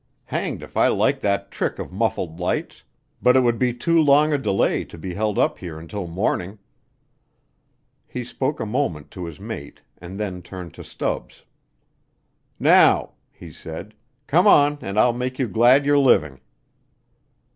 Hanged if I like that trick of muffled lights; but it would be too long a delay to be held up here until morning." He spoke a moment to his mate, and then turned to Stubbs. "Now," he said, "come on and I'll make you glad you're living."